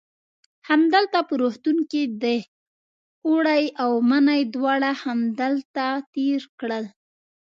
همدلته په روغتون کې دی، اوړی او منی یې دواړه همدلته تېر کړل.